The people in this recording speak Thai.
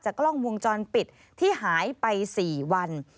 กล้องวงจรปิดที่หายไป๔วัน